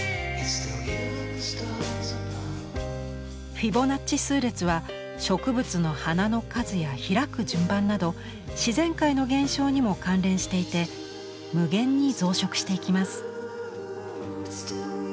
フィボナッチ数列は植物の花の数や開く順番など自然界の現象にも関連していて無限に増殖していきます。